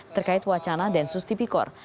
terkait wacana densus tipikor